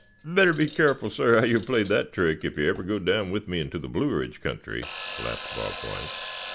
"Better be careful, suh, how you play that trick, if ever you go down with me into the Blue Ridge country," laughed Bob White.